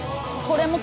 これ。